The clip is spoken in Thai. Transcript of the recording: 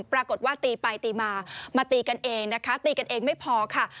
ปรากฏว่าตีไปตีมามาตีกันเองนะคะตีกันเองไม่พอค่ะ